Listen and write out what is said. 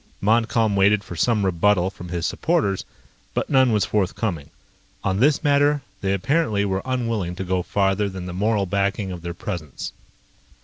Montcalm waited for some rebuttal from his supporters, but none was forthcoming. On this matter, they apparently were unwilling to go farther than the moral backing of their presence.